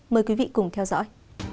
mời quý vị cùng theo dõi